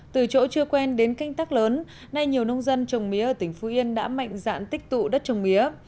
từ chỗ chưa quen đến canh tác lớn nay nhiều nông dân trồng mía ở tỉnh phú yên đã mạnh dạn tích tụ đất trồng mía